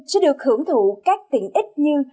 sẽ được hưởng thụ các tiện ích như